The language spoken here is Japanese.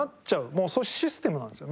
もうそういうシステムなんですよ